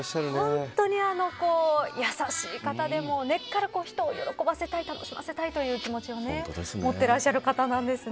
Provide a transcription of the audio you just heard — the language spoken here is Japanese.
本当に優しい方で根っから人を喜ばせたい楽しませたいという気持ちを持ってらっしゃる方なんですね。